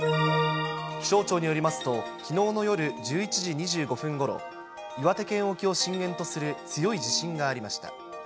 気象庁によりますと、きのうの夜１１時２５分ごろ、岩手県沖を震源とする強い地震がありました。